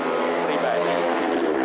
jumlah kendaraan pribadi